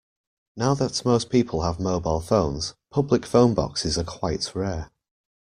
Now that most people have mobile phones, public phone boxes are quite rare